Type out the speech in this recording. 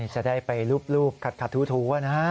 จะได้ไปรูปขัดถูนะฮะ